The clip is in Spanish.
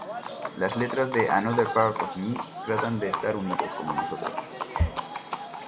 Las letras de "Another Part of Me" tratan de estar unidos, como "nosotros".